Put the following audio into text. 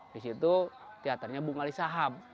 di situ teaternya bungali sahab